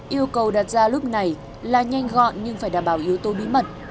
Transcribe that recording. yêu cầu đặt ra lúc này là nhanh gọn nhưng phải đảm bảo yếu tố bí mật